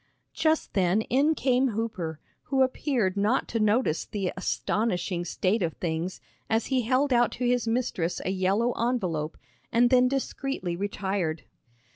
Just then in came Hooper, who appeared not to notice the astonishing state of things as he held out to his mistress a yellow envelope, and then discreetly retired.